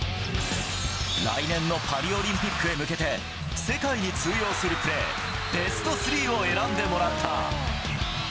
来年のパリオリンピックへ向けて、世界に通用するプレー、ベスト３を選んでもらった。